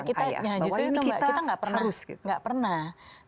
kita tidak pernah